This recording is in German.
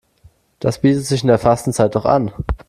Das bietet sich in der Fastenzeit doch an.